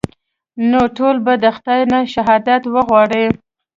نو ټول به د خداى نه شهادت وغواړئ.